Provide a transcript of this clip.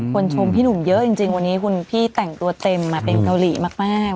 ชมพี่หนุ่มเยอะจริงวันนี้คุณพี่แต่งตัวเต็มมาเป็นเกาหลีมาก